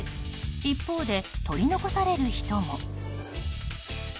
一方で、取り残される人も。